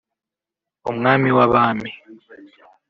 Umwami w’Abami